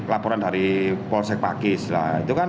laporan dari polsek pakis lah